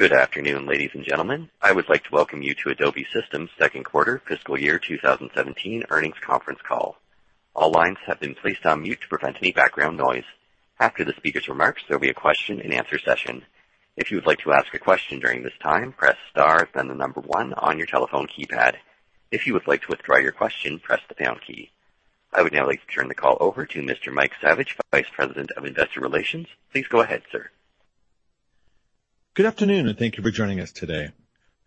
Good afternoon, ladies and gentlemen. I would like to welcome you to Adobe Systems' second quarter fiscal year 2017 earnings conference call. All lines have been placed on mute to prevent any background noise. After the speakers' remarks, there will be a question and answer session. If you would like to ask a question during this time, press star, then the number one on your telephone keypad. If you would like to withdraw your question, press the pound key. I would now like to turn the call over to Mr. Mike Saviage, Vice President of Investor Relations. Please go ahead, sir. Good afternoon. Thank you for joining us today.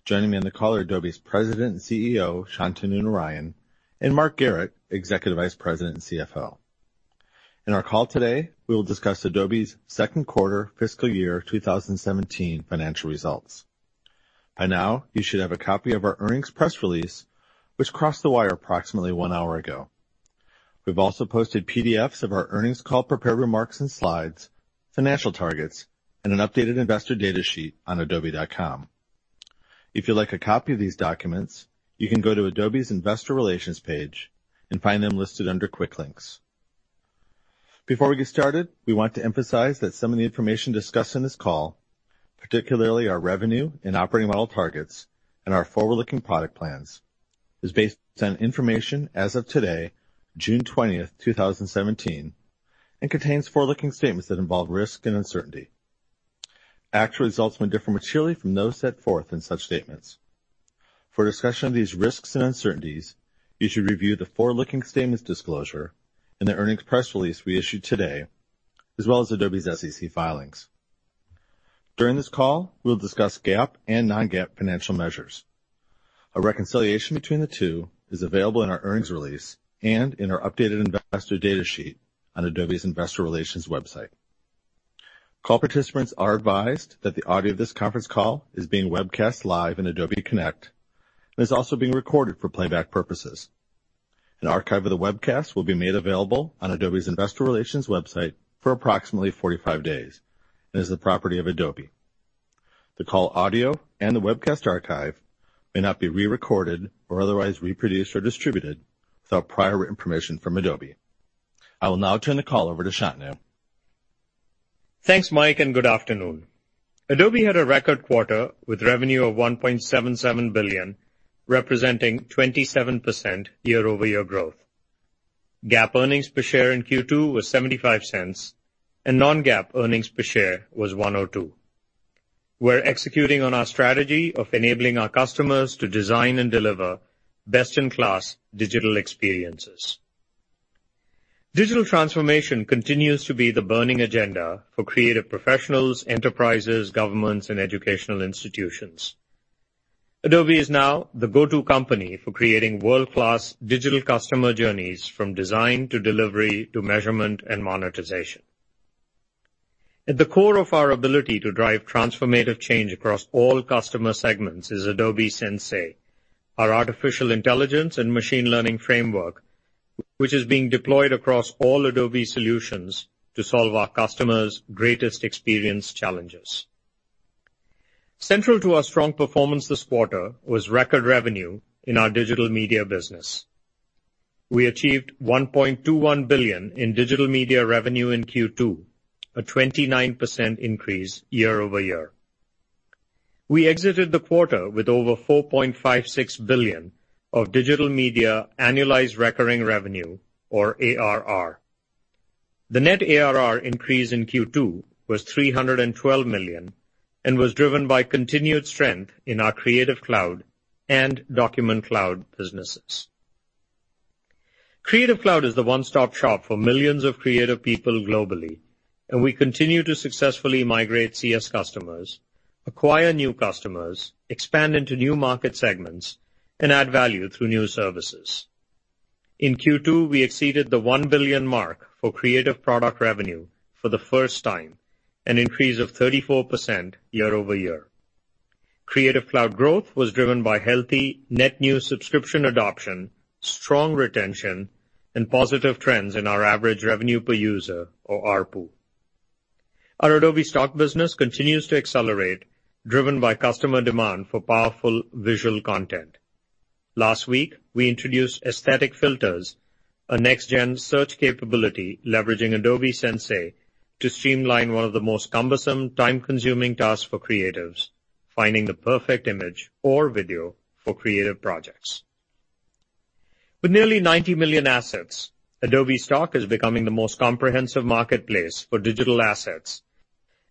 Joining me on the call are Adobe's President and CEO, Shantanu Narayen, and Mark Garrett, Executive Vice President and CFO. In our call today, we will discuss Adobe's second quarter fiscal year 2017 financial results. By now, you should have a copy of our earnings press release which crossed the wire approximately one hour ago. We've also posted PDFs of our earnings call prepared remarks and slides, financial targets, and an updated investor data sheet on adobe.com. If you'd like a copy of these documents, you can go to Adobe's investor relations page and find them listed under quick links. Before we get started, we want to emphasize that some of the information discussed on this call, particularly our revenue and operating model targets and our forward-looking product plans, is based on information as of today, June 20th, 2017, and contains forward-looking statements that involve risk and uncertainty. Actual results may differ materially from those set forth in such statements. For a discussion of these risks and uncertainties, you should review the forward-looking statements disclosure in the earnings press release we issued today, as well as Adobe's SEC filings. During this call, we will discuss GAAP and non-GAAP financial measures. A reconciliation between the two is available in our earnings release and in our updated investor data sheet on Adobe's investor relations website. Call participants are advised that the audio of this conference call is being webcast live on Adobe Connect and is also being recorded for playback purposes. An archive of the webcast will be made available on Adobe's investor relations website for approximately 45 days and is the property of Adobe. The call audio and the webcast archive may not be re-recorded or otherwise reproduced or distributed without prior written permission from Adobe. I will now turn the call over to Shantanu. Thanks, Mike, and good afternoon. Adobe had a record quarter with revenue of $1.77 billion, representing 27% year-over-year growth. GAAP earnings per share in Q2 were $0.75, and non-GAAP earnings per share was $1.02. We're executing on our strategy of enabling our customers to design and deliver best-in-class digital experiences. Digital transformation continues to be the burning agenda for creative professionals, enterprises, governments, and educational institutions. Adobe is now the go-to company for creating world-class digital customer journeys from design to delivery to measurement and monetization. At the core of our ability to drive transformative change across all customer segments is Adobe Sensei, our artificial intelligence and machine learning framework, which is being deployed across all Adobe solutions to solve our customers' greatest experience challenges. Central to our strong performance this quarter was record revenue in our digital media business. We achieved $1.21 billion in digital media revenue in Q2, a 29% increase year-over-year. We exited the quarter with over $4.56 billion of digital media annualized recurring revenue, or ARR. The net ARR increase in Q2 was $312 million and was driven by continued strength in our Creative Cloud and Document Cloud businesses. Creative Cloud is the one-stop shop for millions of creative people globally, we continue to successfully migrate CS customers, acquire new customers, expand into new market segments, and add value through new services. In Q2, we exceeded the $1 billion mark for creative product revenue for the first time, an increase of 34% year-over-year. Creative Cloud growth was driven by healthy net new subscription adoption, strong retention, and positive trends in our average revenue per user, or ARPU. Our Adobe Stock business continues to accelerate, driven by customer demand for powerful visual content. Last week, we introduced aesthetic filters, a next-gen search capability leveraging Adobe Sensei to streamline one of the most cumbersome, time-consuming tasks for creatives, finding the perfect image or video for creative projects. With nearly 90 million assets, Adobe Stock is becoming the most comprehensive marketplace for digital assets.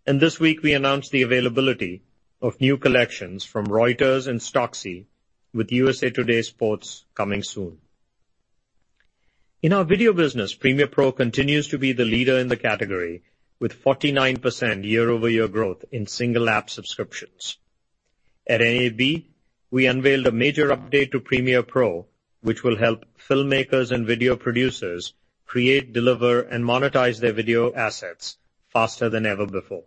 This week we announced the availability of new collections from Reuters and Stocksy with USA Today Sports coming soon. In our video business, Premiere Pro continues to be the leader in the category, with 49% year-over-year growth in single app subscriptions. At NAB, we unveiled a major update to Premiere Pro, which will help filmmakers and video producers create, deliver, and monetize their video assets faster than ever before.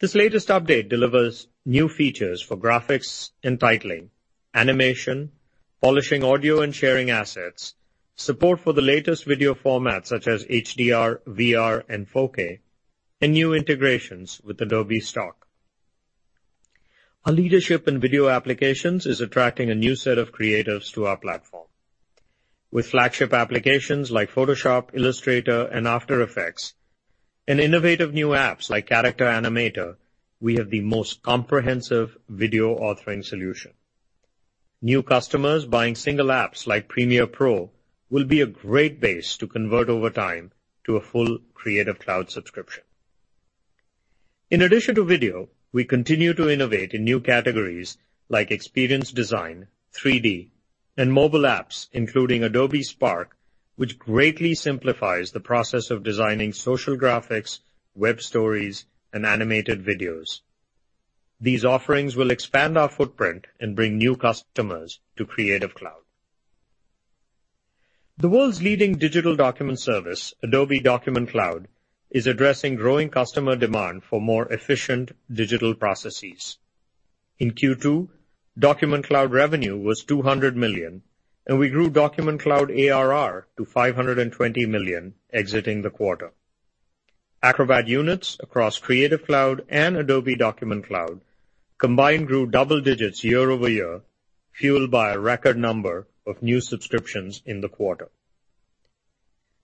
This latest update delivers new features for graphics and titling, animation, polishing audio and sharing assets, support for the latest video formats such as HDR, VR, and 4K, and new integrations with Adobe Stock. Our leadership in video applications is attracting a new set of creatives to our platform. With flagship applications like Photoshop, Illustrator, and After Effects, and innovative new apps like Character Animator, we have the most comprehensive video authoring solution. New customers buying single apps like Premiere Pro will be a great base to convert over time to a full Creative Cloud subscription. In addition to video, we continue to innovate in new categories like experience design, 3D, and mobile apps, including Adobe Spark, which greatly simplifies the process of designing social graphics, web stories, and animated videos. These offerings will expand our footprint and bring new customers to Creative Cloud. The world's leading digital document service, Adobe Document Cloud, is addressing growing customer demand for more efficient digital processes. In Q2, Document Cloud revenue was $200 million, and we grew Document Cloud ARR to $520 million exiting the quarter. Acrobat units across Creative Cloud and Adobe Document Cloud combined grew double digits year-over-year, fueled by a record number of new subscriptions in the quarter.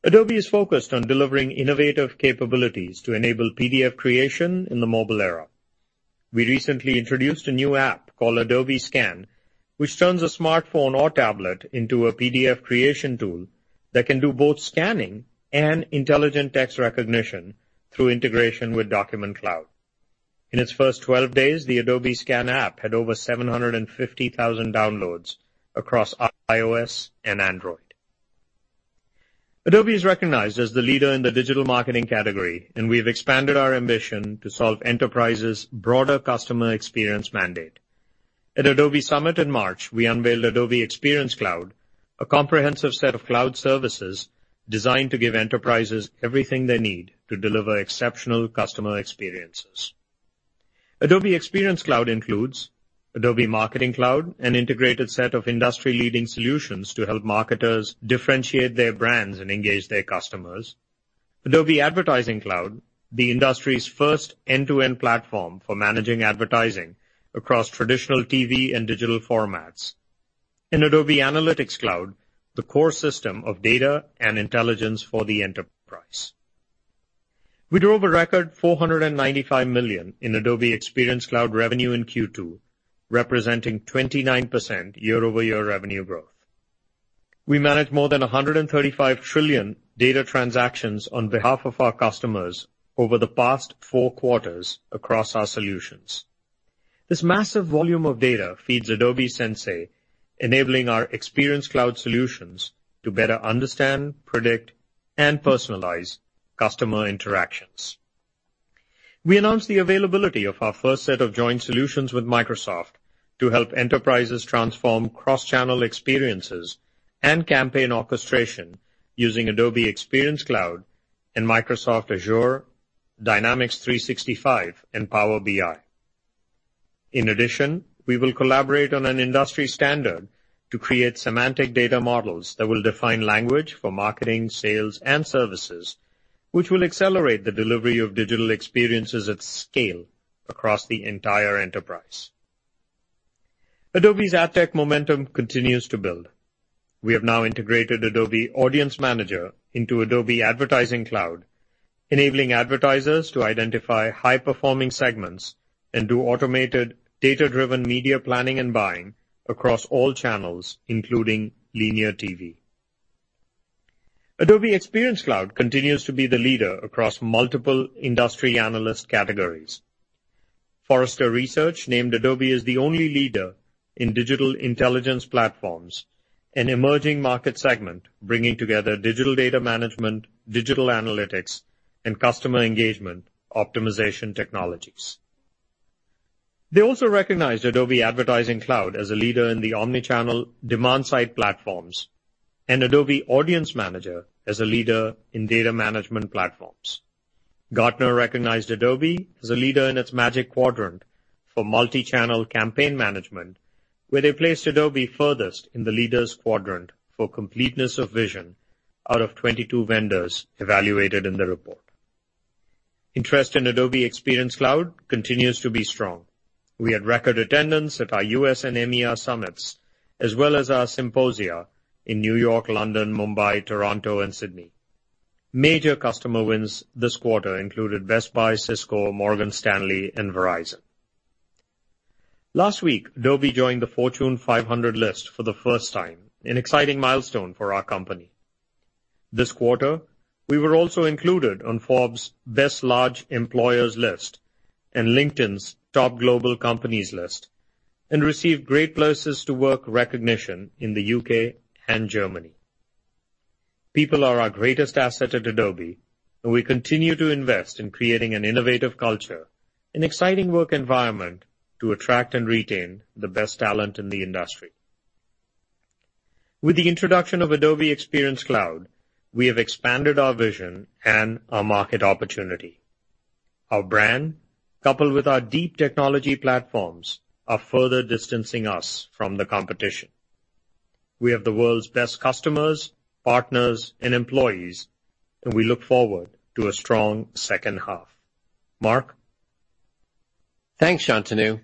Adobe is focused on delivering innovative capabilities to enable PDF creation in the mobile era. We recently introduced a new app called Adobe Scan, which turns a smartphone or tablet into a PDF creation tool that can do both scanning and intelligent text recognition through integration with Document Cloud. In its first 12 days, the Adobe Scan app had over 750,000 downloads across iOS and Android. Adobe is recognized as the leader in the Digital Marketing category, and we've expanded our ambition to solve enterprises' broader customer experience mandate. At Adobe Summit in March, we unveiled Adobe Experience Cloud, a comprehensive set of cloud services designed to give enterprises everything they need to deliver exceptional customer experiences. Adobe Experience Cloud includes Adobe Marketing Cloud, an integrated set of industry-leading solutions to help marketers differentiate their brands and engage their customers, Adobe Advertising Cloud, the industry's first end-to-end platform for managing advertising across traditional TV and digital formats, and Adobe Analytics Cloud, the core system of data and intelligence for the enterprise. We drove a record $495 million in Adobe Experience Cloud revenue in Q2, representing 29% year-over-year revenue growth. We managed more than 135 trillion data transactions on behalf of our customers over the past four quarters across our solutions. This massive volume of data feeds Adobe Sensei, enabling our Experience Cloud solutions to better understand, predict, and personalize customer interactions. We announced the availability of our first set of joint solutions with Microsoft to help enterprises transform cross-channel experiences and campaign orchestration using Adobe Experience Cloud and Microsoft Azure Dynamics 365 and Power BI. We will collaborate on an industry standard to create semantic data models that will define language for marketing, sales, and services, which will accelerate the delivery of digital experiences at scale across the entire enterprise. Adobe's ad tech momentum continues to build. We have now integrated Adobe Audience Manager into Adobe Advertising Cloud, enabling advertisers to identify high-performing segments and do automated data-driven media planning and buying across all channels, including linear TV. Adobe Experience Cloud continues to be the leader across multiple industry analyst categories. Forrester Research named Adobe as the only leader in digital intelligence platforms, an emerging market segment bringing together digital data management, digital analytics, and customer engagement optimization technologies. They also recognized Adobe Advertising Cloud as a leader in the omni-channel demand-side platforms, and Adobe Audience Manager as a leader in data management platforms. Gartner recognized Adobe as a leader in its Magic Quadrant for multi-channel campaign management, where they placed Adobe furthest in the leaders quadrant for completeness of vision out of 22 vendors evaluated in the report. Interest in Adobe Experience Cloud continues to be strong. We had record attendance at our U.S. and EMEA summits, as well as our symposia in New York, London, Mumbai, Toronto, and Sydney. Major customer wins this quarter included Best Buy, Cisco, Morgan Stanley, and Verizon. Last week, Adobe joined the Fortune 500 list for the first time, an exciting milestone for our company. This quarter, we were also included on Forbes' Best Large Employers list and LinkedIn's Top Global Companies list and received Great Places to Work recognition in the U.K. and Germany. People are our greatest asset at Adobe, and we continue to invest in creating an innovative culture and exciting work environment to attract and retain the best talent in the industry. With the introduction of Adobe Experience Cloud, we have expanded our vision and our market opportunity. Our brand, coupled with our deep technology platforms, are further distancing us from the competition. We have the world's best customers, partners, and employees, and we look forward to a strong second half. Mark? Thanks, Shantanu.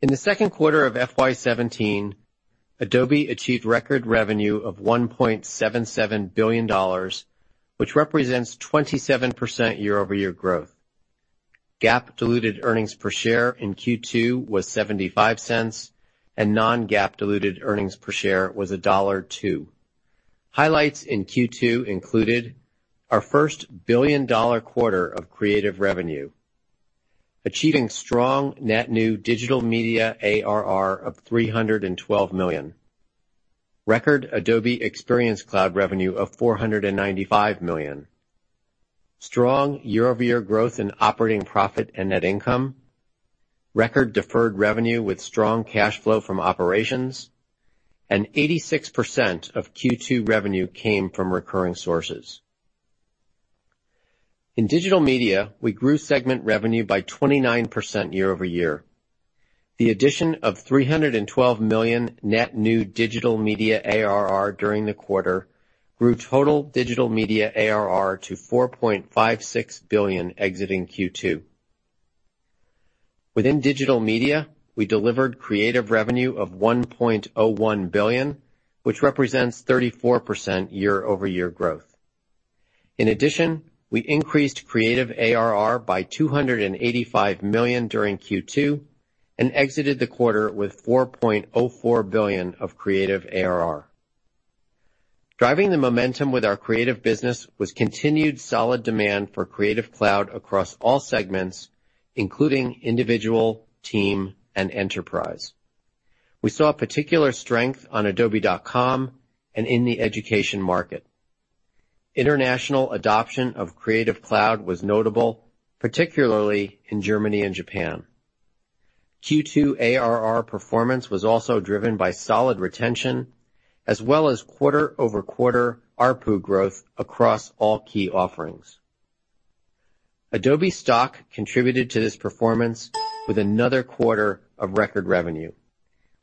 In the second quarter of FY 2017, Adobe achieved record revenue of $1.77 billion, which represents 27% year-over-year growth. GAAP diluted earnings per share in Q2 was $0.75 and non-GAAP diluted earnings per share was $1.02. Highlights in Q2 included our first billion-dollar quarter of creative revenue, achieving strong net new Digital Media ARR of $312 million, record Adobe Experience Cloud revenue of $495 million, strong year-over-year growth in operating profit and net income, record deferred revenue with strong cash flow from operations, and 86% of Q2 revenue came from recurring sources. In Digital Media, we grew segment revenue by 29% year-over-year. The addition of $312 million net new Digital Media ARR during the quarter grew total Digital Media ARR to $4.56 billion exiting Q2. Within Digital Media, we delivered creative revenue of $1.01 billion, which represents 34% year-over-year growth. In addition, we increased creative ARR by $285 million during Q2 and exited the quarter with $4.04 billion of creative ARR. Driving the momentum with our creative business was continued solid demand for Creative Cloud across all segments, including individual, team, and enterprise. We saw particular strength on adobe.com and in the education market. International adoption of Creative Cloud was notable, particularly in Germany and Japan. Q2 ARR performance was also driven by solid retention, as well as quarter-over-quarter ARPU growth across all key offerings. Adobe Stock contributed to this performance with another quarter of record revenue.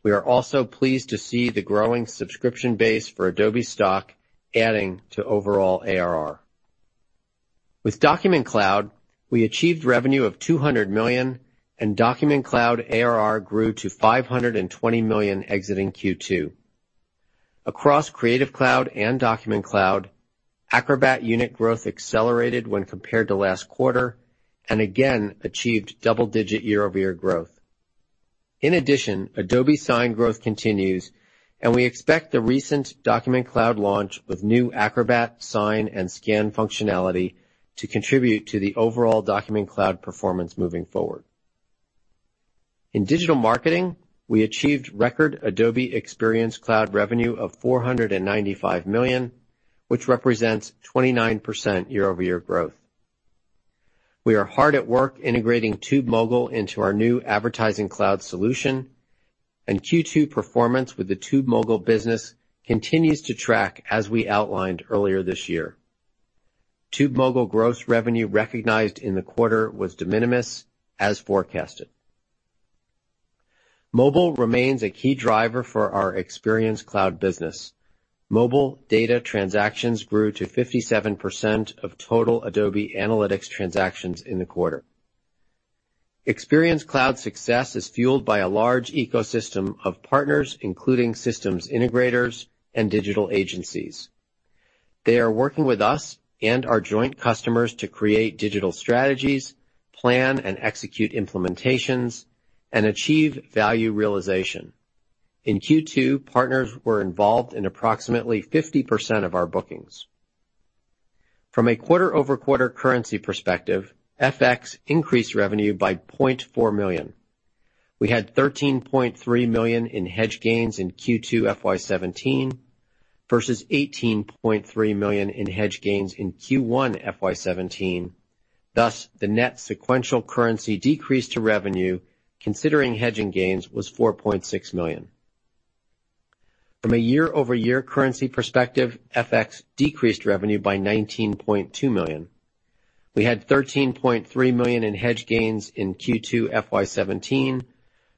We are also pleased to see the growing subscription base for Adobe Stock adding to overall ARR. With Document Cloud, we achieved revenue of $200 million and Document Cloud ARR grew to $520 million exiting Q2. Across Creative Cloud and Document Cloud, Acrobat unit growth accelerated when compared to last quarter, and again, achieved double-digit year-over-year growth. In addition, Adobe Sign growth continues, and we expect the recent Document Cloud launch with new Acrobat Sign and Scan functionality to contribute to the overall Document Cloud performance moving forward. In Digital Marketing, we achieved record Adobe Experience Cloud revenue of $495 million, which represents 29% year-over-year growth. We are hard at work integrating TubeMogul into our new Advertising Cloud solution, and Q2 performance with the TubeMogul business continues to track as we outlined earlier this year. TubeMogul gross revenue recognized in the quarter was de minimis as forecasted. Mobile remains a key driver for our Experience Cloud business. Mobile data transactions grew to 57% of total Adobe Analytics transactions in the quarter. Experience Cloud success is fueled by a large ecosystem of partners, including systems integrators and digital agencies. They are working with us and our joint customers to create digital strategies, plan and execute implementations, and achieve value realization. In Q2, partners were involved in approximately 50% of our bookings. From a quarter-over-quarter currency perspective, FX increased revenue by $0.4 million. We had $13.3 million in hedge gains in Q2 FY 2017 versus $18.3 million in hedge gains in Q1 FY 2017. Thus, the net sequential currency decrease to revenue considering hedging gains was $4.6 million. From a year-over-year currency perspective, FX decreased revenue by $19.2 million. We had $13.3 million in hedge gains in Q2 FY 2017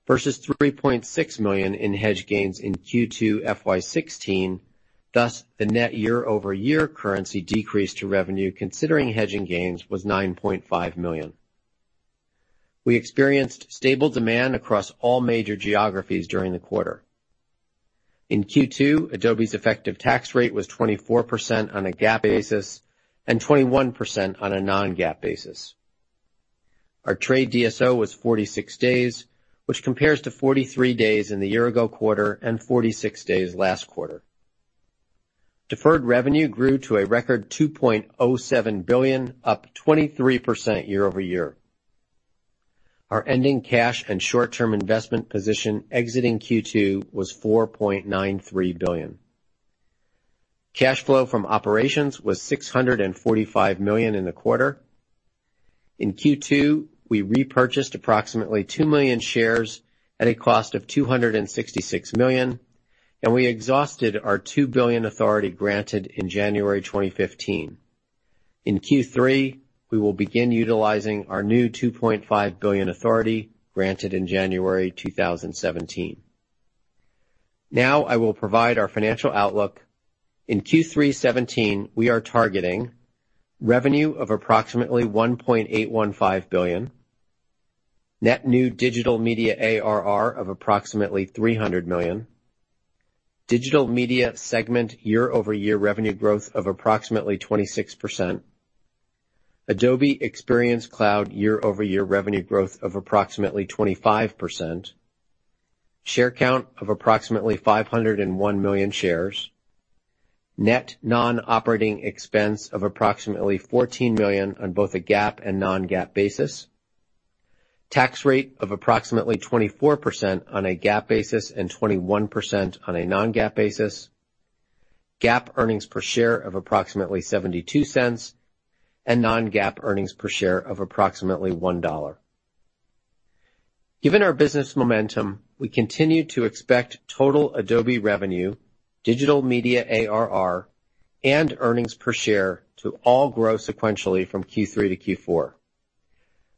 versus $3.6 million in hedge gains in Q2 FY 2016, thus, the net year-over-year currency decrease to revenue considering hedging gains was $9.5 million. We experienced stable demand across all major geographies during the quarter. In Q2, Adobe's effective tax rate was 24% on a GAAP basis and 21% on a non-GAAP basis. Our trade DSO was 46 days, which compares to 43 days in the year-ago quarter and 46 days last quarter. Deferred revenue grew to a record $2.07 billion, up 23% year-over-year. Our ending cash and short-term investment position exiting Q2 was $4.93 billion. Cash flow from operations was $645 million in the quarter. In Q2, we repurchased approximately 2 million shares at a cost of $266 million, and we exhausted our $2 billion authority granted in January 2015. In Q3, we will begin utilizing our new $2.5 billion authority granted in January 2017. Now I will provide our financial outlook. In Q3 2017, we are targeting revenue of approximately $1.815 billion, net new Digital Media ARR of approximately $300 million, Digital Media segment year-over-year revenue growth of approximately 26%, Adobe Experience Cloud year-over-year revenue growth of approximately 25%, share count of approximately 501 million shares, net non-operating expense of approximately $14 million on both a GAAP and non-GAAP basis, tax rate of approximately 24% on a GAAP basis and 21% on a non-GAAP basis, GAAP earnings per share of approximately $0.72, and non-GAAP earnings per share of approximately $1. Given our business momentum, we continue to expect total Adobe revenue, Digital Media ARR, and earnings per share to all grow sequentially from Q3 to Q4.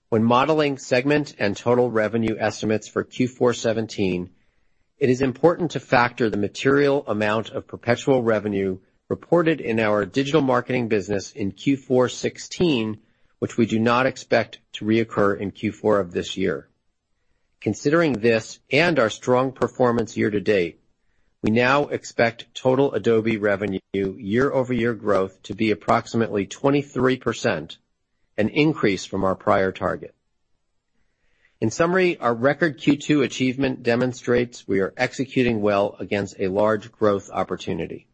When modeling segment and total revenue estimates for Q4 2017, it is important to factor the material amount of perpetual revenue reported in our Digital Marketing business in Q4 2016, which we do not expect to reoccur in Q4 of this year. Considering this and our strong performance year-to-date, we now expect total Adobe revenue year-over-year growth to be approximately 23%, an increase from our prior target. In summary, our record Q2 achievement demonstrates we are executing well against a large growth opportunity.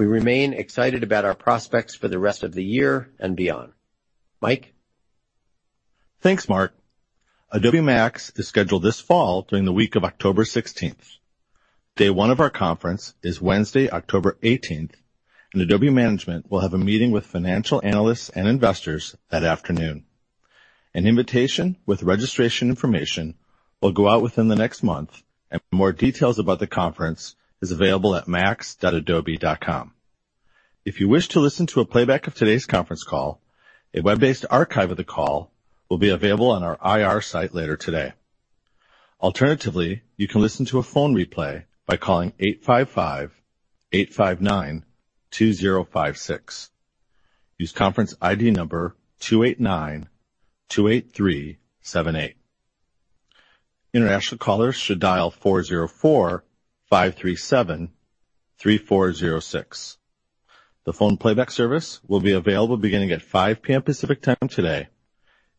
We remain excited about our prospects for the rest of the year and beyond. Mike? Thanks, Mark. Adobe MAX is scheduled this fall during the week of October 16th. Day one of our conference is Wednesday, October 18th. Adobe management will have a meeting with financial analysts and investors that afternoon. An invitation with registration information will go out within the next month. More details about the conference is available at max.adobe.com. If you wish to listen to a playback of today's conference call, a web-based archive of the call will be available on our IR site later today. Alternatively, you can listen to a phone replay by calling 855-859-2056. Use conference ID number 289-283-78. International callers should dial 404-537-3406. The phone playback service will be available beginning at 5:00 P.M. Pacific Time today,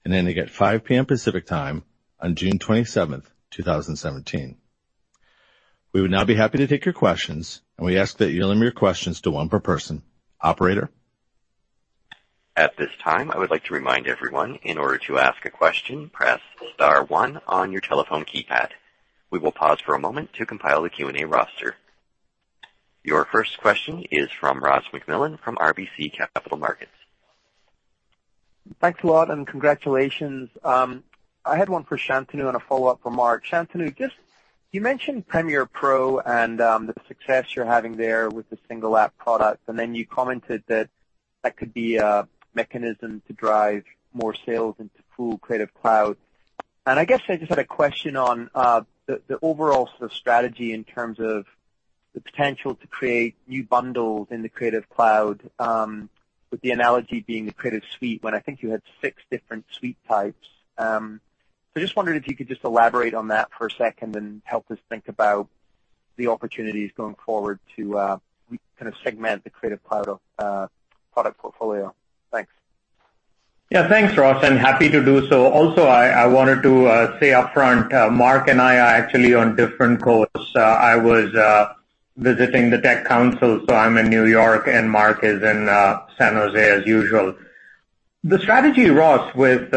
and ending at 5:00 P.M. Pacific Time on June 27th, 2017. We would now be happy to take your questions. We ask that you limit your questions to one per person. Operator? At this time, I would like to remind everyone, in order to ask a question, press star one on your telephone keypad. We will pause for a moment to compile the Q&A roster. Your first question is from Ross MacMillan from RBC Capital Markets. Thanks a lot. Congratulations. I had one for Shantanu and a follow-up for Mark. Shantanu, you mentioned Premiere Pro and the success you're having there with the single app product. Then you commented that that could be a mechanism to drive more sales into Creative Cloud. I guess I just had a question on the overall sort of strategy in terms of the potential to create new bundles in the Creative Cloud, with the analogy being the Creative Suite, when I think you had 6 different suite types. I just wondered if you could just elaborate on that for a second and help us think about the opportunities going forward to kind of segment the Creative Cloud product portfolio. Thanks. Thanks, Ross, and happy to do so. I wanted to say upfront, Mark and I are actually on different coasts. I was visiting the Tech Council, I'm in New York and Mark is in San Jose as usual. The strategy, Ross, with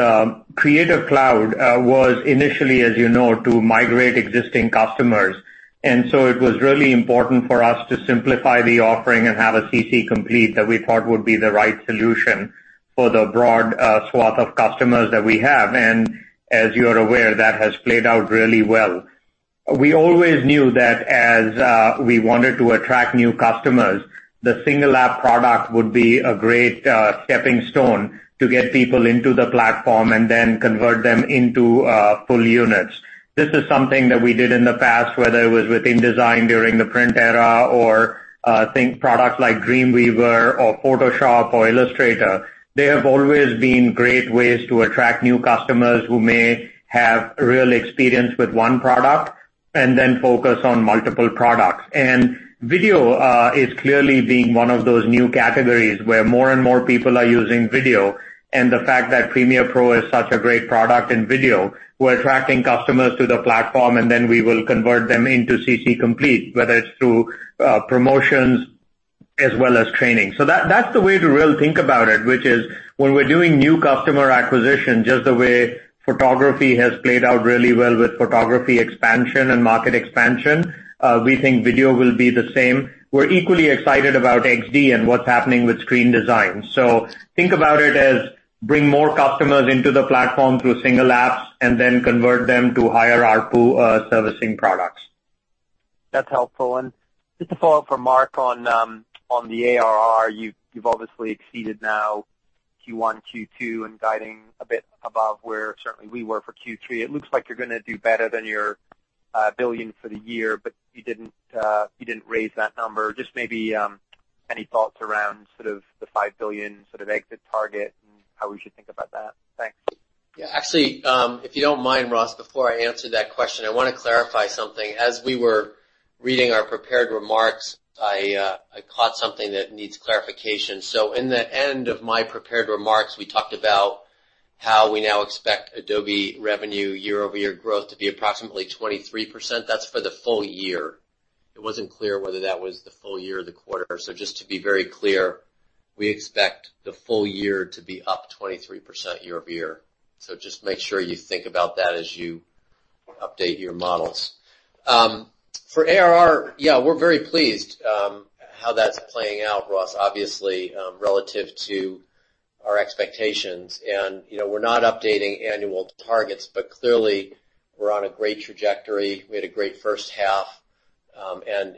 Creative Cloud was initially, as you know, to migrate existing customers. It was really important for us to simplify the offering and have a CC Complete that we thought would be the right solution for the broad swath of customers that we have. As you are aware, that has played out really well. We always knew that as we wanted to attract new customers, the single app product would be a great stepping stone to get people into the platform and then convert them into full units. This is something that we did in the past, whether it was with InDesign during the print era or think products like Dreamweaver or Photoshop or Illustrator. They have always been great ways to attract new customers who may have real experience with one product and then focus on multiple products. Video is clearly being one of those new categories where more and more people are using video, and the fact that Premiere Pro is such a great product in video, we're attracting customers to the platform, and then we will convert them into CC Complete, whether it's through promotions as well as training. That's the way to really think about it, which is when we're doing new customer acquisition, just the way photography has played out really well with photography expansion and market expansion, we think video will be the same. We're equally excited about XD and what's happening with screen design. Think about it as bring more customers into the platform through single apps and then convert them to higher ARPU servicing products. That's helpful. Just a follow-up for Mark on the ARR. You've obviously exceeded now Q1, Q2, and guiding a bit above where certainly we were for Q3. It looks like you're going to do better than your $1 billion for the year, but you didn't raise that number. Just maybe any thoughts around the $5 billion exit target, and how we should think about that? Thanks. Yeah. Actually, if you don't mind, Ross, before I answer that question, I want to clarify something. As we were reading our prepared remarks, I caught something that needs clarification. In the end of my prepared remarks, we talked about how we now expect Adobe revenue year-over-year growth to be approximately 23%. That's for the full year. It wasn't clear whether that was the full year or the quarter. Just to be very clear, we expect the full year to be up 23% year-over-year. Just make sure you think about that as you update your models. For ARR, yeah, we're very pleased how that's playing out, Ross, obviously, relative to our expectations and we're not updating annual targets, but clearly we're on a great trajectory. We had a great first half.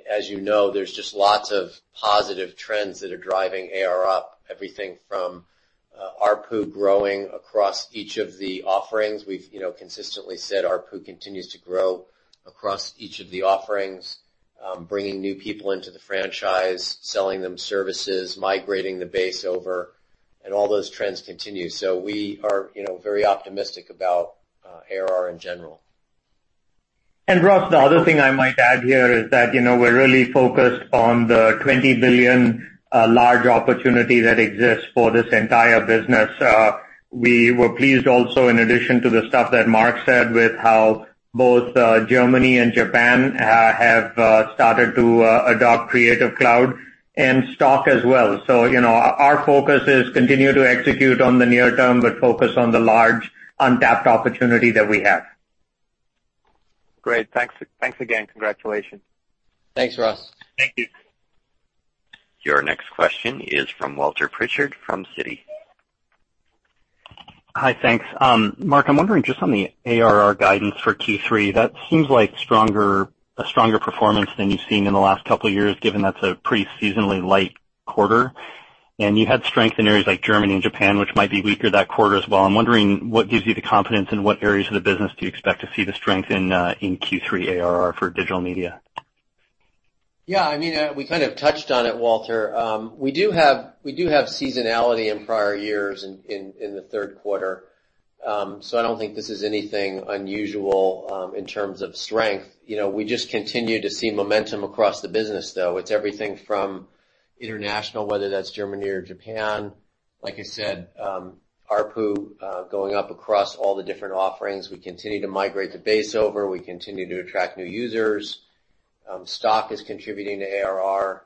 As you know, there's just lots of positive trends that are driving ARR up, everything from ARPU growing across each of the offerings. We've consistently said ARPU continues to grow across each of the offerings, bringing new people into the franchise, selling them services, migrating the base over, and all those trends continue. We are very optimistic about ARR in general. Ross, the other thing I might add here is that we're really focused on the $20 billion large opportunity that exists for this entire business. We were pleased also, in addition to the stuff that Mark said, with how both Germany and Japan have started to adopt Creative Cloud and Stock as well. Our focus is continue to execute on the near term, but focus on the large untapped opportunity that we have. Great. Thanks again. Congratulations. Thanks, Ross. Thank you. Your next question is from Walter Pritchard from Citi. Hi, thanks. Mark, I'm wondering just on the ARR guidance for Q3, that seems like a stronger performance than you've seen in the last couple of years, given that's a pretty seasonally light quarter, and you had strength in areas like Germany and Japan, which might be weaker that quarter as well. I'm wondering what gives you the confidence, and what areas of the business do you expect to see the strength in Q3 ARR for Digital Media? Yeah, we kind of touched on it, Walter. We do have seasonality in prior years in the third quarter. I don't think this is anything unusual in terms of strength. We just continue to see momentum across the business, though. It's everything from international, whether that's Germany or Japan. Like I said, ARPU going up across all the different offerings. We continue to migrate the base over. We continue to attract new users. Stock is contributing to ARR.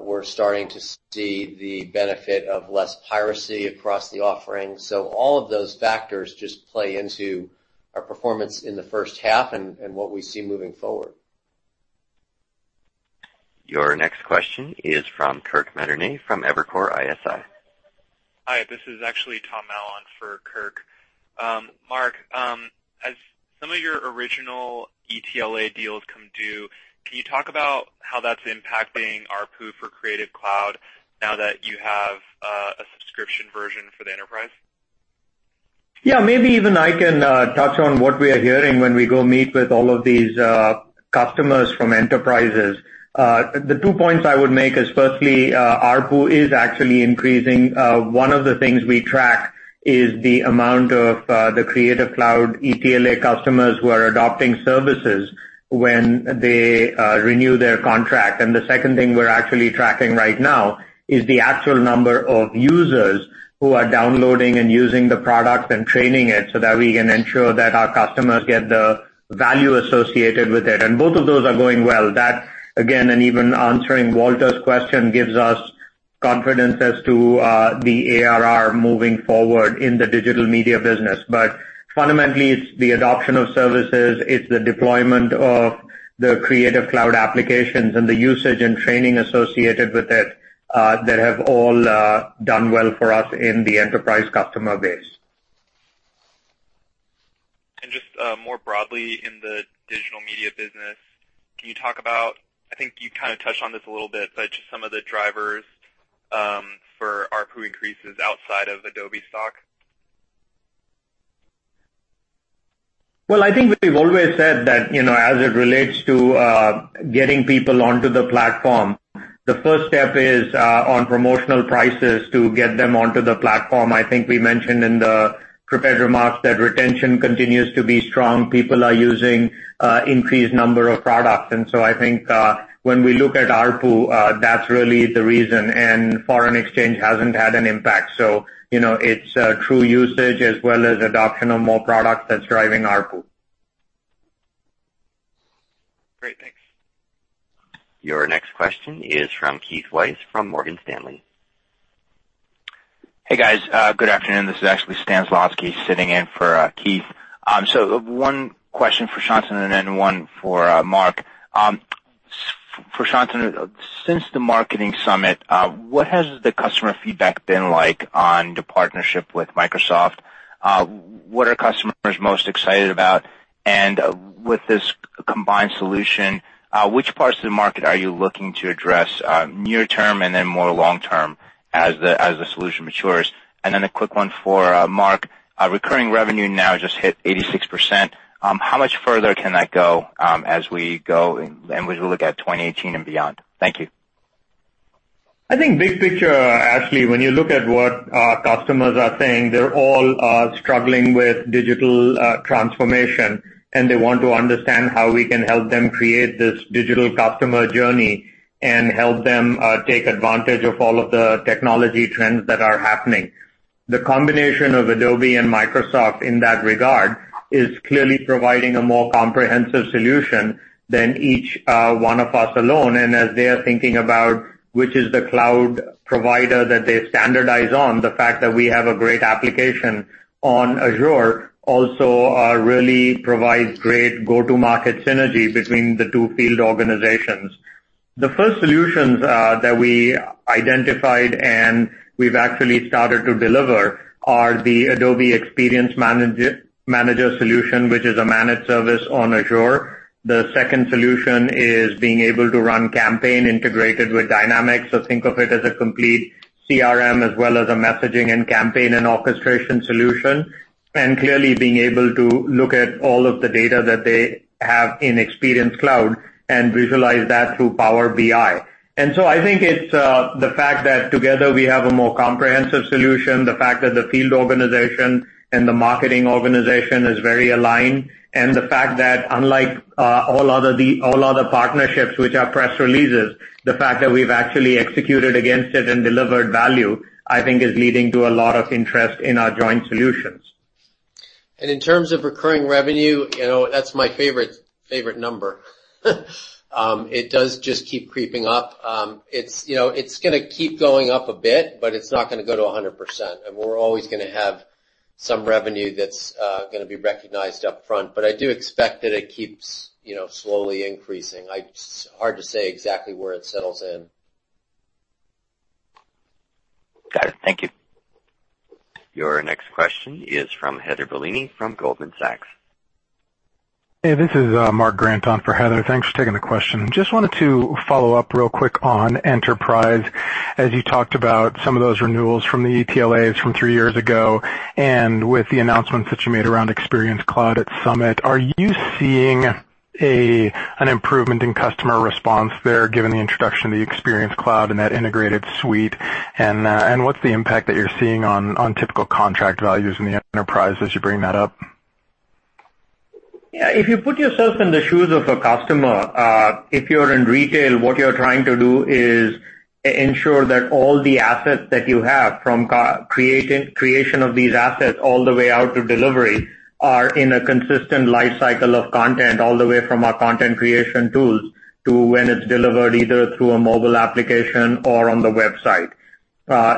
We're starting to see the benefit of less piracy across the offerings. All of those factors just play into our performance in the first half and what we see moving forward. Your next question is from Kirk Materne from Evercore ISI. Hi, this is actually Tom Allen for Kirk. Mark, as some of your original ETLA deals come due, can you talk about how that's impacting ARPU for Creative Cloud now that you have a subscription version for the enterprise? Yeah, maybe even I can touch on what we are hearing when we go meet with all of these customers from enterprises. The two points I would make is firstly, ARPU is actually increasing. One of the things we track is the amount of the Creative Cloud ETLA customers who are adopting services when they renew their contract. The second thing we're actually tracking right now is the actual number of users who are downloading and using the product and training it, so that we can ensure that our customers get the value associated with it. Both of those are going well. That, again, and even answering Walter's question, gives us confidence as to the ARR moving forward in the Digital Media business. Fundamentally, it's the adoption of services, it's the deployment of the Creative Cloud applications, and the usage and training associated with it that have all done well for us in the enterprise customer base. Just more broadly in the Digital Media business, can you talk about, I think you kind of touched on this a little bit, but just some of the drivers for ARPU increases outside of Adobe Stock? Well, I think we've always said that, as it relates to getting people onto the platform, the first step is on promotional prices to get them onto the platform. I think we mentioned in the prepared remarks that retention continues to be strong. People are using increased number of products. I think when we look at ARPU, that's really the reason, and foreign exchange hasn't had an impact. It's true usage as well as adoption of more products that's driving ARPU. Great. Thanks. Your next question is from Keith Weiss from Morgan Stanley. Hey, guys. Good afternoon. This is actually Stan Zlotsky sitting in for Keith. One question for Shantanu and then one for Mark. For Shantanu, since the Adobe Summit, what has the customer feedback been like on the partnership with Microsoft? What are customers most excited about? With this combined solution, which parts of the market are you looking to address near-term and then more long-term as the solution matures? A quick one for Mark. Recurring revenue now just hit 86%. How much further can that go as we go and as we look at 2018 and beyond? Thank you. I think big picture, Zlotsky, when you look at what our customers are saying, they're all struggling with digital transformation, and they want to understand how we can help them create this digital customer journey and help them take advantage of all of the technology trends that are happening. The combination of Adobe and Microsoft in that regard is clearly providing a more comprehensive solution than each one of us alone. As they are thinking about which is the cloud provider that they standardize on, the fact that we have a great application on Azure also really provides great go-to-market synergy between the two field organizations. The first solutions that we identified and we've actually started to deliver are the Adobe Experience Manager solution, which is a managed service on Azure. The second solution is being able to run campaign integrated with Dynamics. Think of it as a complete CRM as well as a messaging and campaign and orchestration solution. Clearly being able to look at all of the data that they have in Experience Cloud and visualize that through Power BI. I think it's the fact that together we have a more comprehensive solution, the fact that the field organization and the marketing organization is very aligned, and the fact that unlike all other partnerships which are press releases, the fact that we've actually executed against it and delivered value, I think is leading to a lot of interest in our joint solutions. In terms of recurring revenue, that's my favorite number. It does just keep creeping up. It's going to keep going up a bit, but it's not going to go to 100%. We're always going to have some revenue that's going to be recognized upfront. I do expect that it keeps slowly increasing. It's hard to say exactly where it settles in. Got it. Thank you. Your next question is from Heather Bellini from Goldman Sachs. Hey, this is Mark Grant on for Heather. Thanks for taking the question. Just wanted to follow up real quick on Enterprise. As you talked about some of those renewals from the ETLAs from three years ago and with the announcements that you made around Experience Cloud at Summit, are you seeing an improvement in customer response there, given the introduction of the Experience Cloud and that integrated suite? What's the impact that you're seeing on typical contract values in the Enterprise as you bring that up? Yeah. If you put yourself in the shoes of a customer, if you're in retail, what you're trying to do is ensure that all the assets that you have from creation of these assets all the way out to delivery are in a consistent life cycle of content all the way from our content creation tools to when it's delivered, either through a mobile application or on the website.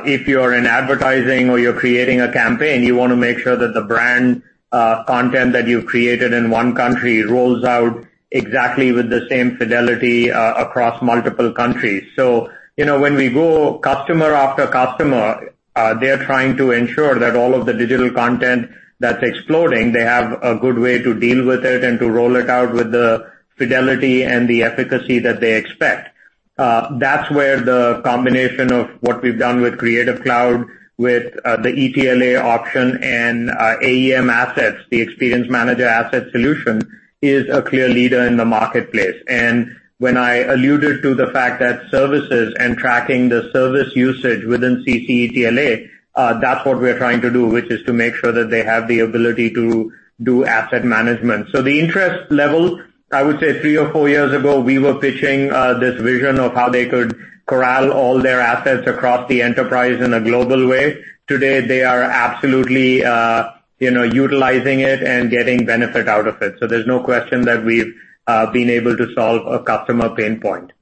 If you're in advertising or you're creating a campaign, you want to make sure that the brand content that you've created in one country rolls out exactly with the same fidelity across multiple countries. When we go customer after customer, they're trying to ensure that all of the digital content that's exploding, they have a good way to deal with it and to roll it out with the fidelity and the efficacy that they expect. That's where the combination of what we've done with Creative Cloud, with the ETLA option and AEM Assets, the Experience Manager Asset solution, is a clear leader in the marketplace. When I alluded to the fact that services and tracking the service usage within CC ETLA, that's what we're trying to do, which is to make sure that they have the ability to do asset management. The interest level, I would say three or four years ago, we were pitching this vision of how they could corral all their assets across the enterprise in a global way. Today, they are absolutely utilizing it and getting benefit out of it. There's no question that we've been able to solve a customer pain point.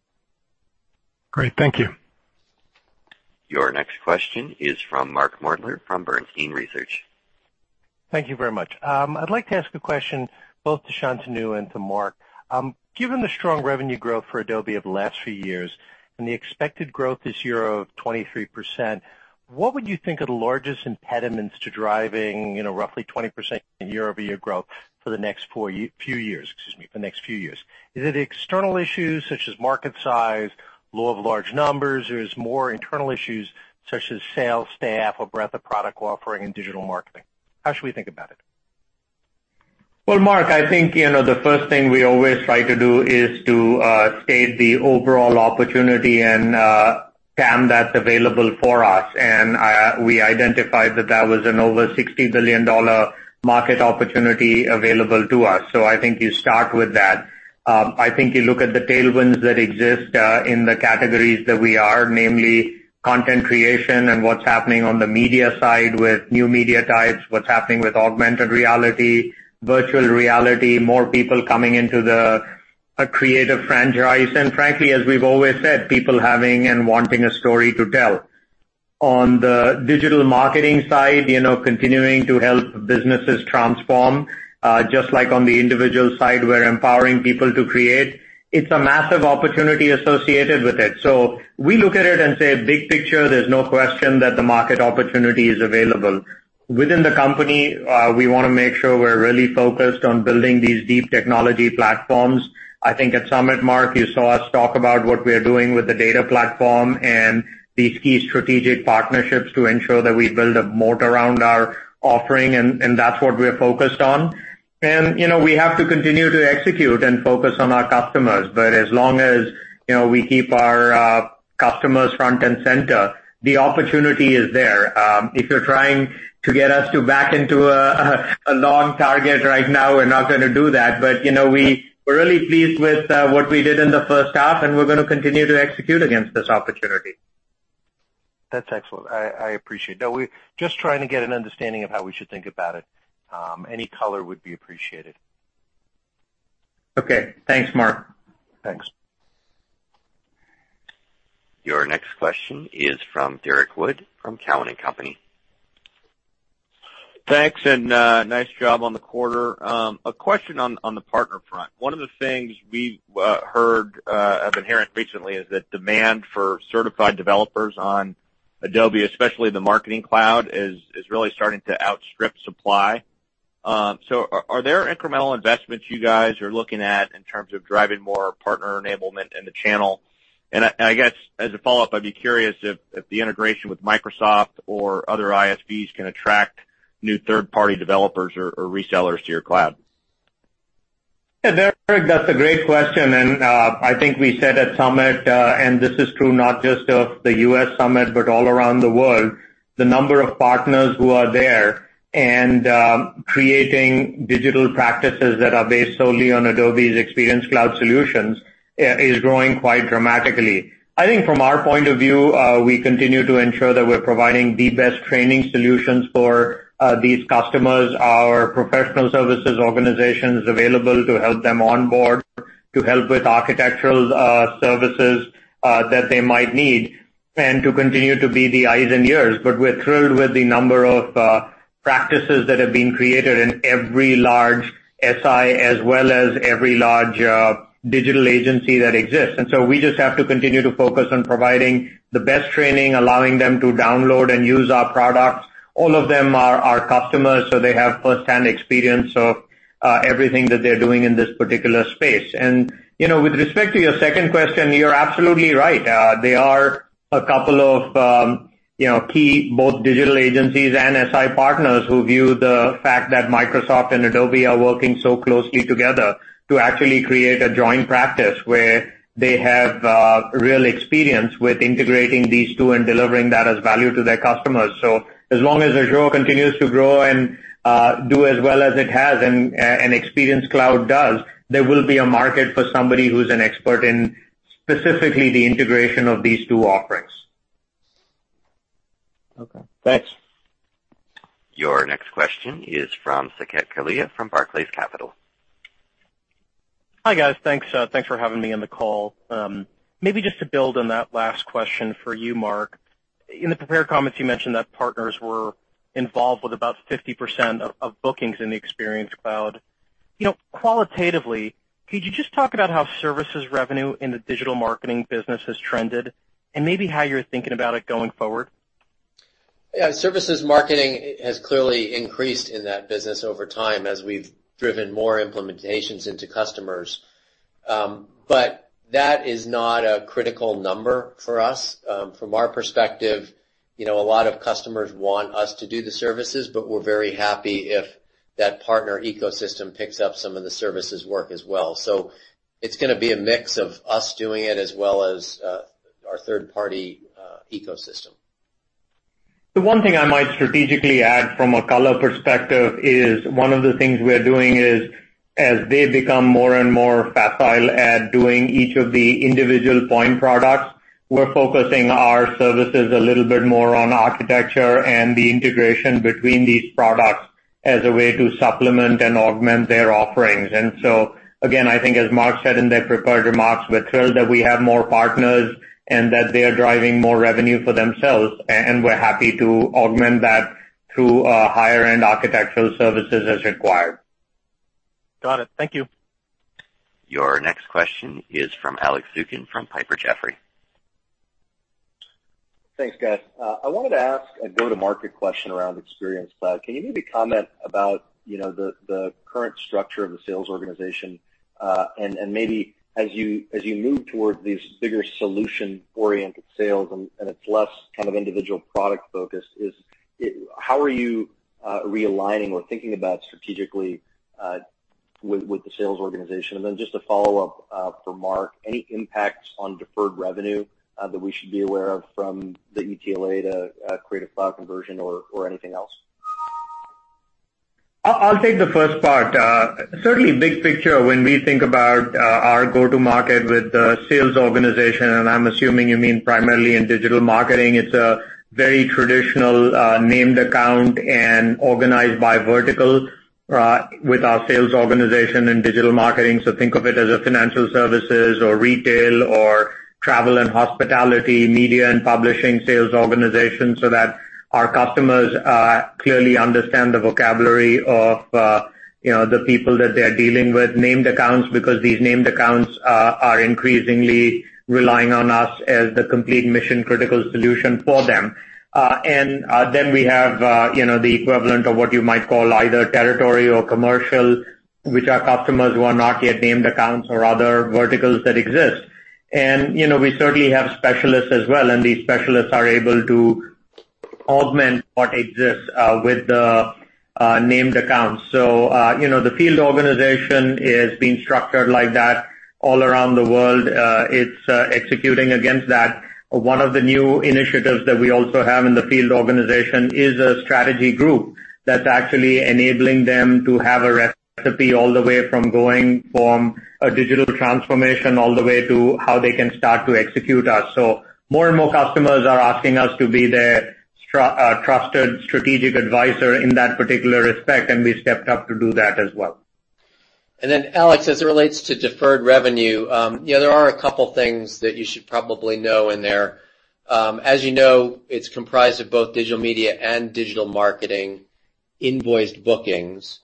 Great. Thank you. Your next question is from Mark Moerdler from Bernstein Research. Thank you very much. I'd like to ask a question both to Shantanu and to Mark. Given the strong revenue growth for Adobe of the last few years and the expected growth this year of 23%, what would you think are the largest impediments to driving roughly 20% year-over-year growth for the next few years? Is it external issues such as market size, law of large numbers? Is it more internal issues such as sales staff or breadth of product offering and Digital marketing? How should we think about it? Well, Mark, I think, the first thing we always try to do is to state the overall opportunity and TAM that's available for us. We identified that that was an over $60 billion market opportunity available to us. I think you start with that. I think you look at the tailwinds that exist in the categories that we are, namely content creation and what's happening on the media side with new media types, what's happening with augmented reality, virtual reality, more people coming into the Creative franchise. Frankly, as we've always said, people having and wanting a story to tell. On the Digital Marketing side, continuing to help businesses transform. Just like on the individual side, we're empowering people to create. It's a massive opportunity associated with it. We look at it and say, big picture, there's no question that the market opportunity is available. Within the company, we want to make sure we're really focused on building these deep technology platforms. I think at Summit, Mark, you saw us talk about what we are doing with the data platform and these key strategic partnerships to ensure that we build a moat around our offering, and that's what we're focused on. We have to continue to execute and focus on our customers. As long as we keep our customers front and center, the opportunity is there. If you're trying to get us to back into a long target right now, we're not going to do that. We're really pleased with what we did in the first half, and we're going to continue to execute against this opportunity. That's excellent. I appreciate. No, we're just trying to get an understanding of how we should think about it. Any color would be appreciated. Okay. Thanks, Mark. Thanks. Your next question is from Derrick Wood, from Cowen and Company. Thanks, nice job on the quarter. A question on the partner front. One of the things we've heard of inherent recently is that demand for certified developers on Adobe, especially the Marketing Cloud, is really starting to outstrip supply. Are there incremental investments you guys are looking at in terms of driving more partner enablement in the channel? I guess as a follow-up, I'd be curious if the integration with Microsoft or other ISVs can attract new third-party developers or resellers to your cloud. Yeah, Derrick, that's a great question, and I think we said at Summit, and this is true not just of the U.S. Summit, but all around the world, the number of partners who are there and creating digital practices that are based solely on Adobe's Experience Cloud solutions, is growing quite dramatically. I think from our point of view, we continue to ensure that we're providing the best training solutions for these customers, our professional services organizations available to help them onboard, to help with architectural services that they might need, and to continue to be the eyes and ears. We're thrilled with the number of practices that have been created in every large SI as well as every large digital agency that exists. We just have to continue to focus on providing the best training, allowing them to download and use our products. All of them are our customers, so they have firsthand experience of everything that they're doing in this particular space. With respect to your second question, you're absolutely right. There are a couple of key, both digital agencies and SI partners, who view the fact that Microsoft and Adobe are working so closely together to actually create a joint practice where they have real experience with integrating these two and delivering that as value to their customers. As long as Azure continues to grow and do as well as it has, and Experience Cloud does, there will be a market for somebody who's an expert in specifically the integration of these two offerings. Okay, thanks. Your next question is from Saket Kalia from Barclays Capital. Hi, guys. Thanks for having me on the call. Maybe just to build on that last question for you, Mark. In the prepared comments, you mentioned that partners were involved with about 50% of bookings in the Experience Cloud. Qualitatively, could you just talk about how services revenue in the Digital Marketing business has trended, and maybe how you're thinking about it going forward? Yeah. Services marketing has clearly increased in that business over time as we've driven more implementations into customers. That is not a critical number for us. From our perspective, a lot of customers want us to do the services, but we're very happy if that partner ecosystem picks up some of the services work as well. It's gonna be a mix of us doing it as well as our third-party ecosystem. The one thing I might strategically add from a color perspective is one of the things we're doing is as they become more and more facile at doing each of the individual point products, we're focusing our services a little bit more on architecture and the integration between these products as a way to supplement and augment their offerings. Again, I think as Mark said in the prepared remarks, we're thrilled that we have more partners and that they are driving more revenue for themselves, and we're happy to augment that through higher-end architectural services as required. Got it. Thank you. Your next question is from Alex Zukin from Piper Jaffray. Thanks, guys. I wanted to ask a go-to-market question around Experience Cloud. Can you maybe comment about the current structure of the sales organization? As you move toward these bigger solution-oriented sales and it's less kind of individual product focus, how are you realigning or thinking about strategically, with the sales organization? Just a follow-up for Mark, any impacts on deferred revenue that we should be aware of from the ETLA to Creative Cloud conversion or anything else? I'll take the first part. Certainly big picture when we think about our go-to market with the sales organization, and I'm assuming you mean primarily in Digital Marketing, it's a very traditional named account and organized by vertical with our sales organization and Digital Marketing. Think of it as a financial services or retail or travel and hospitality, media and publishing sales organization, so that our customers clearly understand the vocabulary of the people that they're dealing with, named accounts, because these named accounts are increasingly relying on us as the complete mission-critical solution for them. We have the equivalent of what you might call either territory or commercial, which are customers who are not yet named accounts or other verticals that exist. We certainly have specialists as well, and these specialists are able to augment what exists with the named accounts. The field organization is being structured like that all around the world. It's executing against that. One of the new initiatives that we also have in the field organization is a strategy group that's actually enabling them to have a recipe all the way from going from a digital transformation, all the way to how they can start to execute us. More and more customers are asking us to be their trusted strategic advisor in that particular respect, and we stepped up to do that as well. Alex, as it relates to deferred revenue, there are a couple things that you should probably know in there. As you know, it's comprised of both Digital Media and Digital Marketing invoiced bookings.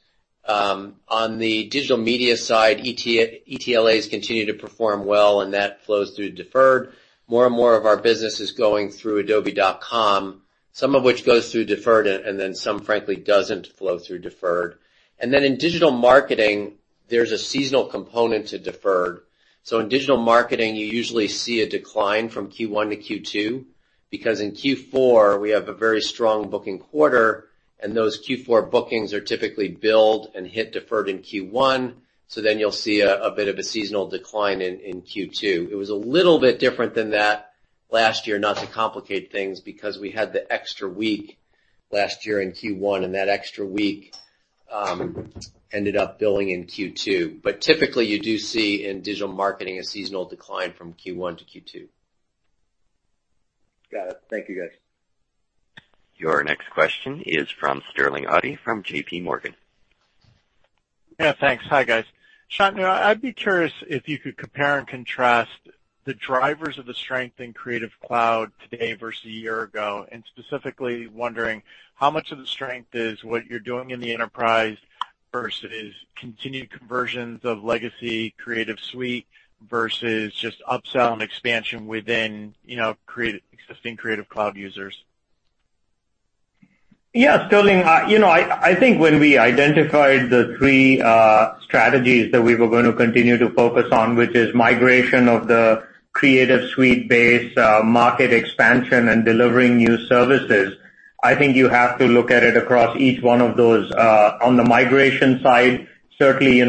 On the Digital Media side, ETLAs continue to perform well, and that flows through deferred. More and more of our business is going through adobe.com, some of which goes through deferred, and then some frankly doesn't flow through deferred. In Digital Marketing, there's a seasonal component to deferred. In Digital Marketing, you usually see a decline from Q1 to Q2, because in Q4, we have a very strong booking quarter, and those Q4 bookings are typically billed and hit deferred in Q1. You'll see a bit of a seasonal decline in Q2. It was a little bit different than that last year, not to complicate things, because we had the extra week last year in Q1, and that extra week ended up billing in Q2. Typically, you do see in Digital Marketing a seasonal decline from Q1 to Q2. Got it. Thank you, guys. Your next question is from Sterling Auty from JPMorgan. Yeah, thanks. Hi, guys. Shantanu, I'd be curious if you could compare and contrast the drivers of the strength in Creative Cloud today versus a year ago, and specifically wondering how much of the strength is what you're doing in the enterprise versus continued conversions of legacy Creative Suite versus just upsell and expansion within existing Creative Cloud users. Yeah, Sterling. I think when we identified the three strategies that we were going to continue to focus on, which is migration of the Creative Suite base, market expansion, and delivering new services, I think you have to look at it across each one of those. On the migration side, certainly,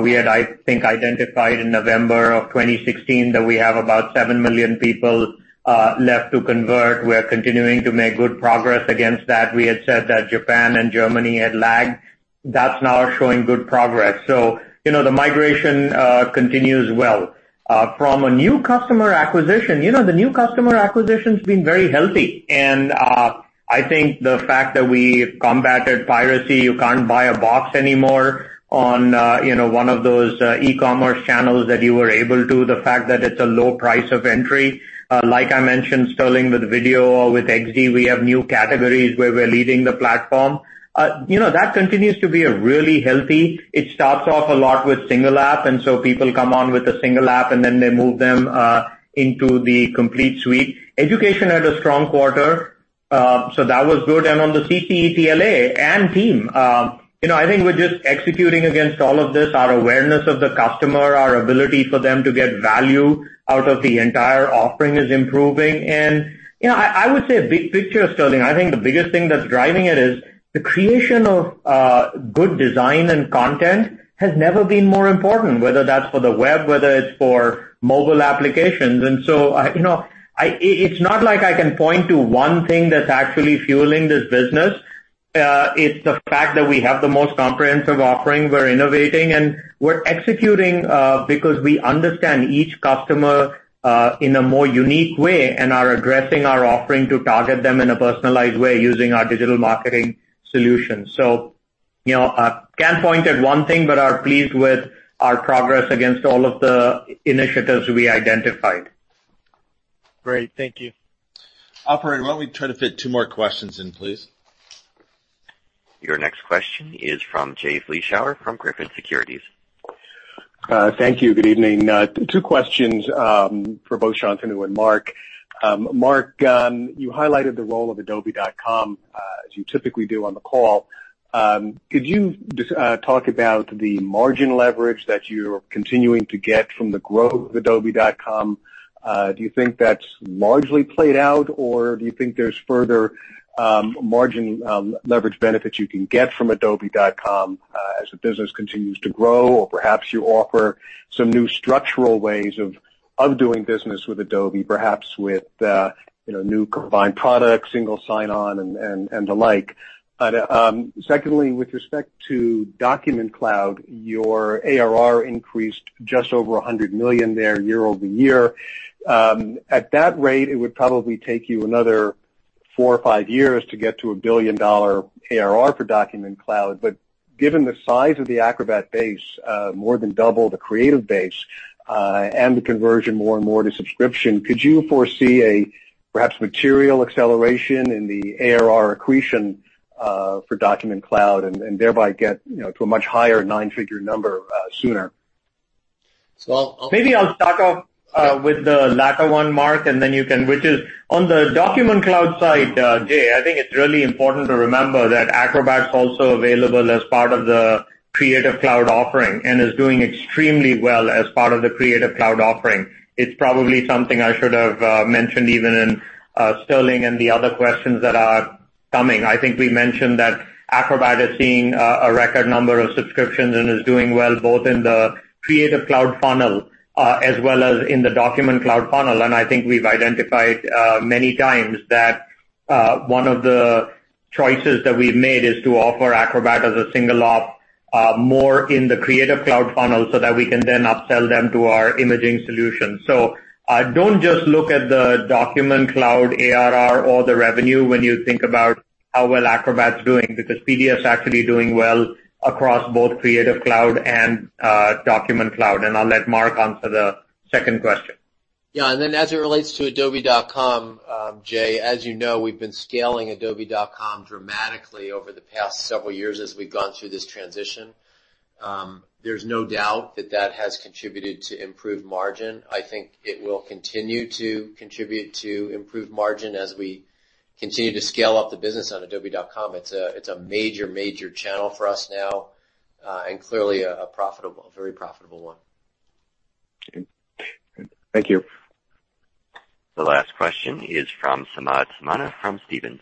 we had, I think, identified in November of 2016 that we have about seven million people left to convert. We're continuing to make good progress against that. We had said that Japan and Germany had lagged. That's now showing good progress. The migration continues well. From a new customer acquisition, the new customer acquisition's been very healthy, and I think the fact that we combated piracy, you can't buy a box anymore on one of those e-commerce channels that you were able to. The fact that it's a low price of entry, like I mentioned, Sterling, with video or with Adobe XD, we have new categories where we're leading the platform. That continues to be really healthy. It starts off a lot with a single app, and people come on with a single app, and then they move them into the complete suite. Education had a strong quarter, that was good. On the CCETLA and team, I think we're just executing against all of this. Our awareness of the customer, our ability for them to get value out of the entire offering is improving. I would say big picture, Sterling, I think the biggest thing that's driving it is the creation of good design and content has never been more important, whether that's for the web, whether it's for mobile applications. It's not like I can point to one thing that's actually fueling this business. It's the fact that we have the most comprehensive offering. We're innovating, and we're executing because we understand each customer in a more unique way and are addressing our offering to target them in a personalized way using our Digital Marketing solution. Can't point at one thing, but are pleased with our progress against all of the initiatives we identified. Great. Thank you. Operator, why don't we try to fit two more questions in, please? Your next question is from Jay Vleeschhouwer from Griffin Securities. Thank you. Good evening. Two questions for both Shantanu and Mark. Mark, you highlighted the role of adobe.com, as you typically do on the call. Could you just talk about the margin leverage that you're continuing to get from the growth of adobe.com? Do you think that's largely played out, or do you think there's further margin leverage benefits you can get from adobe.com as the business continues to grow? Or perhaps you offer some new structural ways of doing business with Adobe, perhaps with new combined products, single sign-on, and the like. Secondly, with respect to Document Cloud, your ARR increased just over $100 million there year-over-year. At that rate, it would probably take you another four or five years to get to a billion-dollar ARR for Document Cloud. Given the size of the Acrobat base, more than double the creative base. The conversion more and more to subscription. Could you foresee a perhaps material acceleration in the ARR accretion for Document Cloud and thereby get to a much higher nine-figure number sooner? Maybe I'll start off with the latter one, Mark, which is on the Document Cloud side, Jay, I think it's really important to remember that Acrobat is also available as part of the Creative Cloud offering and is doing extremely well as part of the Creative Cloud offering. It's probably something I should have mentioned even in Sterling and the other questions that are coming. I think we mentioned that Acrobat is seeing a record number of subscriptions and is doing well both in the Creative Cloud funnel as well as in the Document Cloud funnel. I think we've identified many times that one of the choices that we've made is to offer Acrobat as a single app more in the Creative Cloud funnel so that we can then upsell them to our imaging solution. Don't just look at the Document Cloud ARR or the revenue when you think about how well Acrobat's doing, because PDF is actually doing well across both Creative Cloud and Document Cloud. I'll let Mark answer the second question. Yeah. As it relates to adobe.com, Jay, as you know, we've been scaling adobe.com dramatically over the past several years as we've gone through this transition. There's no doubt that that has contributed to improved margin. I think it will continue to contribute to improved margin as we continue to scale up the business on adobe.com. It's a major channel for us now and clearly a very profitable one. Okay. Thank you. The last question is from Samad Samana from Stephens.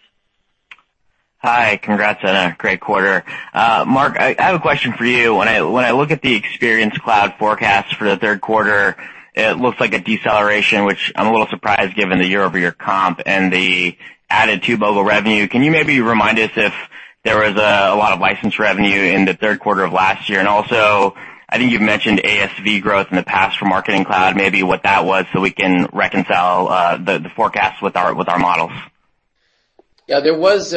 Hi. Congrats on a great quarter. Mark, I have a question for you. When I look at the Experience Cloud forecast for the third quarter, it looks like a deceleration, which I'm a little surprised given the year-over-year comp and the added TubeMogul revenue. Can you maybe remind us if there was a lot of license revenue in the third quarter of last year? Also, I think you've mentioned ASV growth in the past for Marketing Cloud, maybe what that was so we can reconcile the forecast with our models. Yeah, there was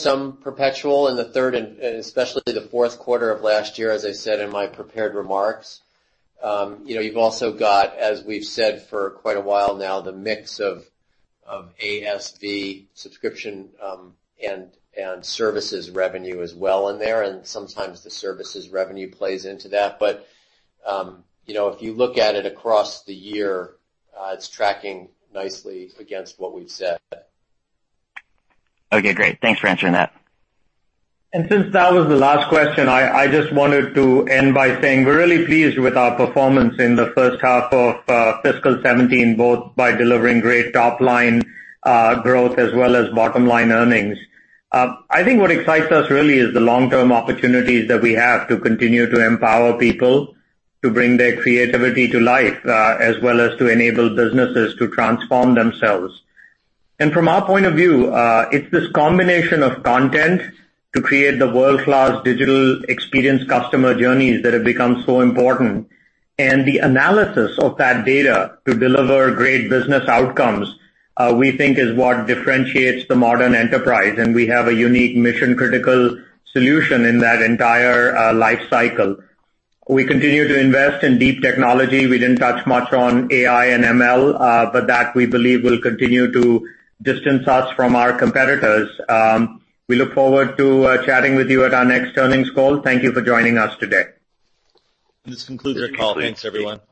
some perpetual in the third and especially the fourth quarter of last year, as I said in my prepared remarks. You've also got, as we've said for quite a while now, the mix of ASV subscription and services revenue as well in there, and sometimes the services revenue plays into that. If you look at it across the year, it's tracking nicely against what we've said. Okay, great. Thanks for answering that. Since that was the last question, I just wanted to end by saying we're really pleased with our performance in the first half of fiscal 2017, both by delivering great top-line growth as well as bottom-line earnings. I think what excites us really is the long-term opportunities that we have to continue to empower people to bring their creativity to life, as well as to enable businesses to transform themselves. From our point of view, it's this combination of content to create the world-class digital experience customer journeys that have become so important. The analysis of that data to deliver great business outcomes, we think is what differentiates the modern enterprise, and we have a unique mission-critical solution in that entire life cycle. We continue to invest in deep technology. We didn't touch much on AI and ML, that we believe will continue to distance us from our competitors. We look forward to chatting with you at our next earnings call. Thank you for joining us today. This concludes our call. Thanks, everyone. Thank you.